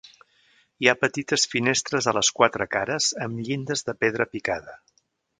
Hi ha petites finestres a les quatre cares amb llindes de pedra picada.